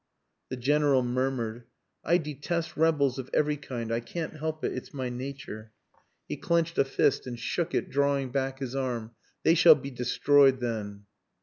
The General murmured "I detest rebels of every kind. I can't help it. It's my nature!" He clenched a fist and shook it, drawing back his arm. "They shall be destroyed, then."